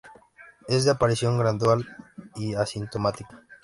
Es de aparición gradual y asintomática.